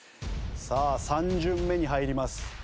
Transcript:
さあ３巡目に入ります。